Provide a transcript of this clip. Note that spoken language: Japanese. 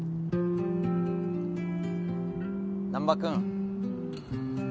難破君